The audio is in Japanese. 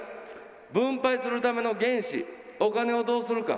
分配するための原資、お金をどうするか。